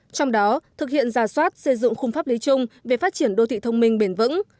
trong đó thực hiện giả soát xây dựng khung pháp lý chung về phát triển đô thị thông minh bền vững